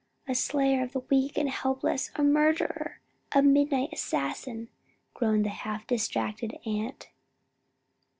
"A slayer of the weak and helpless a murderer a midnight assassin!" groaned the half distracted aunt.